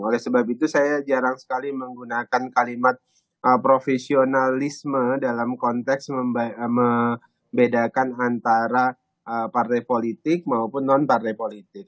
oleh sebab itu saya jarang sekali menggunakan kalimat profesionalisme dalam konteks membedakan antara partai politik maupun non partai politik